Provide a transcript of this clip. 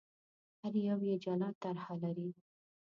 هر یو یې جلا طرح لري.